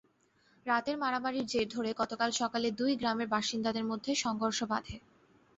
রাতের মারামারির জের ধরে গতকাল সকালে দুই গ্রামের বাসিন্দাদের মধ্যে সংঘর্ষ বাধে।